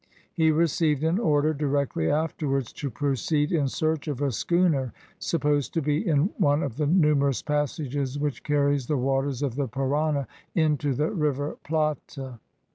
He received an order directly afterwards to proceed in search of a schooner, supposed to be in one of the numerous passages which carries the waters of the Parana into the River Plate.